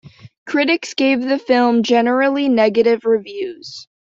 Critics gave the film generally negative reviews.